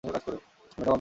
ওটা তোমার মাথাব্যথা।